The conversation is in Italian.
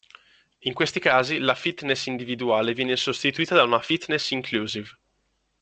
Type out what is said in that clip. In questi casi, la fitness individuale viene sostituita da una "fitness inclusive".